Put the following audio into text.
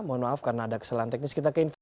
mohon maaf karena ada kesalahan teknis